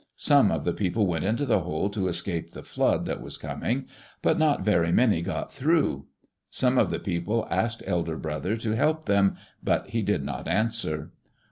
Some of the people went into the hole to escape the flood that was coming, but not very many got through. Some of the people asked Elder Brother to help them, but he did not answer.